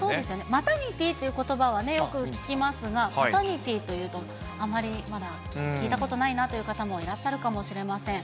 マタニティーということばはよく聞きますが、パタニティーというとあまりまだ聞いたことないなという方もいらっしゃるかもしれません。